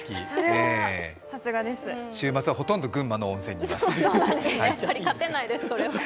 週末はほとんど群馬の温泉にいます。